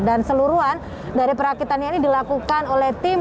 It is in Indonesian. dan seluruhan dari perakitannya ini dilakukan oleh tim